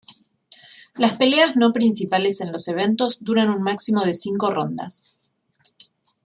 Las peleas no principales en los eventos duran un máximo de cinco rondas.